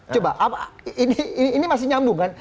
coba ini masih nyambung kan